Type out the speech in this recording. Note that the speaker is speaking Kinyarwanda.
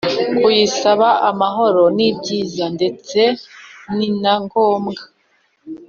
kuyisaba amahoro ni byiza, ndetse ni na ngombwa